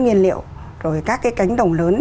nguyên liệu rồi các cái cánh đồng lớn